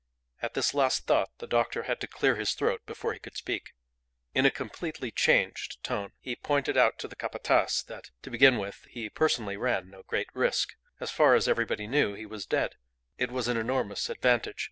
At this last thought the doctor had to clear his throat before he could speak. In a completely changed tone he pointed out to the Capataz that, to begin with, he personally ran no great risk. As far as everybody knew he was dead. It was an enormous advantage.